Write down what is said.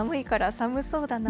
寒そうだな。